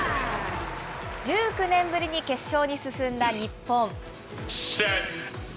１９年ぶりに決勝に進んだ日本。